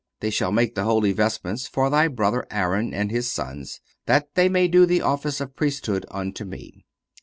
They shall make the holy vestments for thy brother Aaron and his sons, that they may do the office of priesthood unto Me."